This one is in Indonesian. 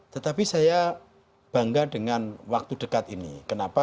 tetapi saya bangga dengan waktu dekat ini kenapa